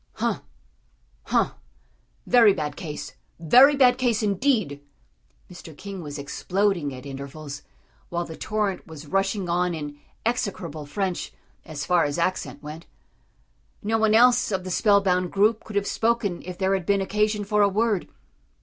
"Hum hum very bad case; very bad case, indeed!" Mr. King was exploding at intervals, while the torrent was rushing on in execrable French as far as accent went. No one else of the spellbound group could have spoken if there had been occasion for a word.